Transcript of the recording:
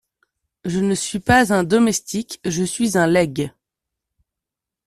Je ne suis pas un domestique, je suis un legs…